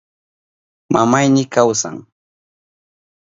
Mamayni kawsan.